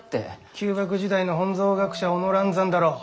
旧幕時代の本草学者小野蘭山だろ？